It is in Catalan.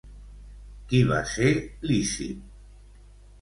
Qui va ser Lísip?